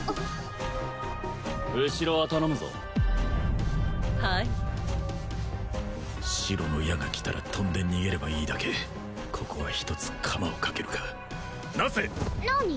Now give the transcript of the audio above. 後ろは頼むぞはい白の矢が来たら飛んで逃げればいいだけここはひとつカマをかけるかナッセ何？